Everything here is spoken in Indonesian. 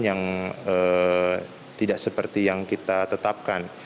yang tidak seperti yang kita tetapkan